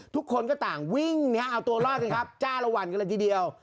ทุกคนต่างวิ่งเอาตัวรอดจ้าละวันกันเลยทีเดียว